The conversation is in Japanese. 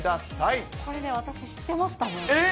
これね、私知ってます、えっ？